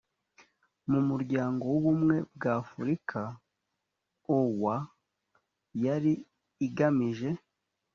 mu muryango w ubumwe bw afurika oua yari igamije